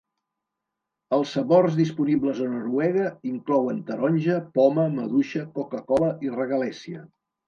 Els sabors disponibles a Noruega inclouen taronja, poma, maduixa, coca-cola i regalèssia.